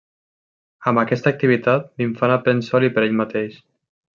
Amb aquesta activitat l'infant aprèn sol i per ell mateix.